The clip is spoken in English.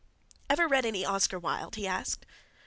"Ever read any Oscar Wilde?" he asked.